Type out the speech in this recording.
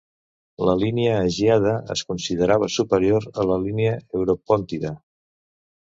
La línia agíada es considerava superior a la línia europòntida.